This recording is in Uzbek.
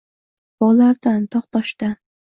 Bog‘laridan, tog‘-toshidan